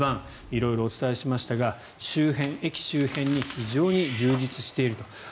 色々お伝えしましたが駅周辺が非常に充実していると。